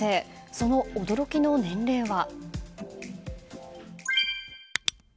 その驚きの年齢は。